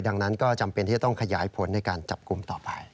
ดังนั้นก็จำเป็นที่จะต้องขยายผลในการจับกลุ่มต่อไป